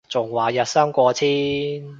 仲話日薪過千